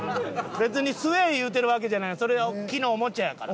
別に「吸え」言うてるわけじゃないそれ木のおもちゃやから。